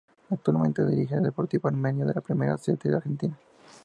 Actualmente dirige al Deportivo Armenio de la Primera C de Argentina.